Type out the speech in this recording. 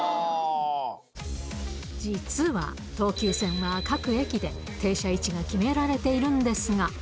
実は、東急線は各駅で停車位置が決められているんですが。